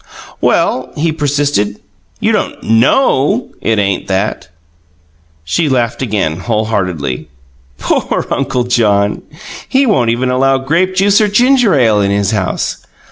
"Well," he persisted, "you don't KNOW it ain't that." She laughed again, wholeheartedly. "Poor Uncle John! He won't even allow grape juice or ginger ale in his house.